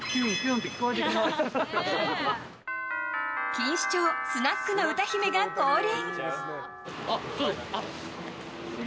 錦糸町スナックの歌姫が降臨！